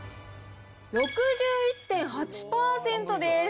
６１．８％です。